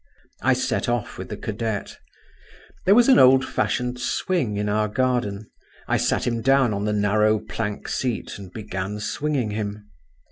I set off with the cadet. There was an old fashioned swing in our garden. I sat him down on the narrow plank seat, and began swinging him.